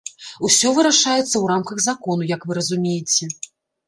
Усё вырашаецца ў рамках закону, як вы разумееце.